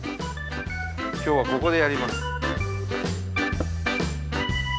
今日はここでやります。